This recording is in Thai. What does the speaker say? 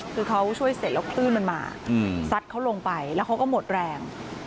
คือเขาช่วยเสร็จแล้วคลื่นมันมาซัดเขาลงไปแล้วเขาก็หมดแรง